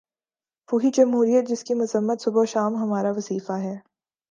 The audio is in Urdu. وہی جمہوریت جس کی مذمت صبح و شام ہمارا وظیفہ ہے۔